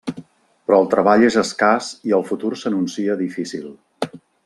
Però el treball és escàs i el futur s'anuncia difícil.